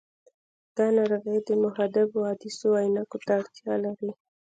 دا ناروغي د محدبو عدسیو عینکو ته اړتیا لري.